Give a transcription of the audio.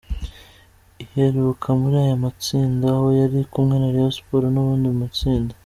iheruka muri aya matsinda aho yari kumwe na Rayon Sports n’ubundi mu itsinda